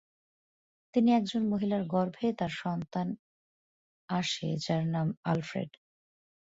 তিনি একজন মহিলার গর্ভে তার সন্তান আসে যার নাম আলফ্রেড।